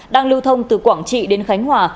đang lưu thông từ quảng trị đến khánh hòa